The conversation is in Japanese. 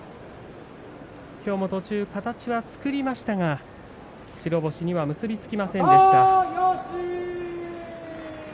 きょうも途中、形は作りましたが白星には結び付きませんでした。